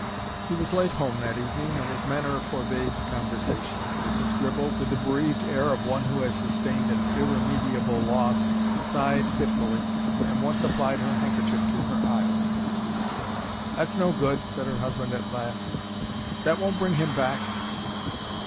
He was late home that evening, and his manner forbade conversation. Mrs. Gribble, with the bereaved air of one who has sustained an irremediable loss, sighed fitfully, and once applied her handkerchief to her eyes. "That's no good," said her husband at last; "that won't bring him back."